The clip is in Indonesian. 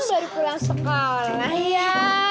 baru pulang sekolah ya